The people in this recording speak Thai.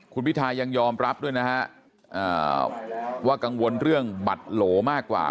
คุณพิทายังยอมรับด้วยนะฮะว่ากังวลเรื่องบัตรโหลมากกว่า